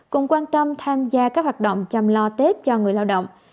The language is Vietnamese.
cùng quan tâm tham gia các hoạt động chăm lo tết cho người lao động